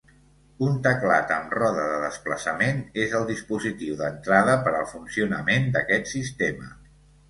Un teclat amb roda de desplaçament és el dispositiu d'entrada per al funcionament d'aquest sistema.